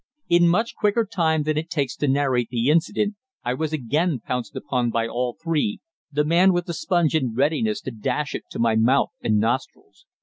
In much quicker time than it takes to narrate the incident I was again pounced upon by all three, the man with the sponge in readiness to dash it to my mouth and nostrils.